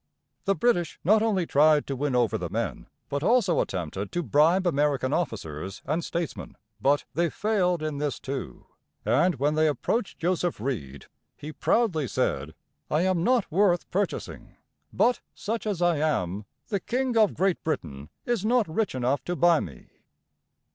The British not only tried to win over the men, but also attempted to bribe American officers and statesmen. But they failed in this, too; and when they approached Joseph Reed, he proudly said: "I am not worth purchasing; but such as I am, the King of Great Britain is not rich enough to buy me."